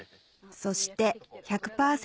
そして１００％